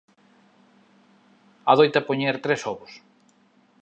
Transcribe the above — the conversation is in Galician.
Adoita poñer tres ovos.